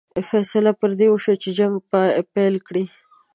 فیصله پر دې وشوه چې جنګ پیل کړي.